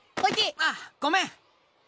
ああごめん。